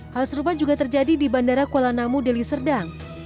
hal serupa juga terjadi di bandara kuala namu deli serdang